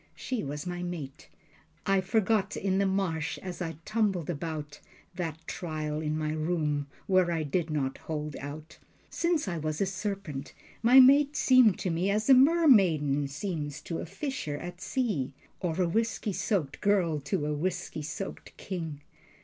She was my mate. I forgot in the marsh, as I tumbled about, That trial in my room, where I did not hold out. Since I was a serpent, my mate seemed to me As a mermaiden seems to a fisher at sea, Or a whisky soaked girl to a whisky soaked king.